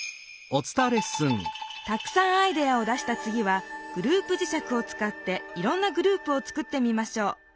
たくさんアイデアを出したつぎは「グループじしゃく」をつかっていろんなグループを作ってみましょう。